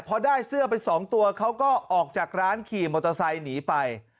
พอได้เสื้อไปสองตัวเขาก็ออกจากร้านขี่มอเตอร์ไซค์หนีไป